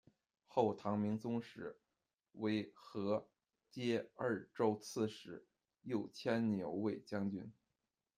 后唐明宗时，为合、阶二州刺史、右千牛卫将军。